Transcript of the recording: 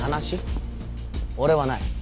俺はない。